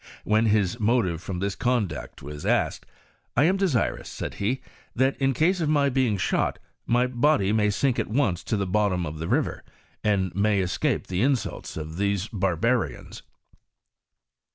When his motive f<w this conduct was asked, "' I am desirous," said he. PROGRESS OF CHEMISTRY IN I'KASCE. 149 " that in case of my being shot, my body may sink at once to the bottom of this river, and may escape the insults of these barbarians."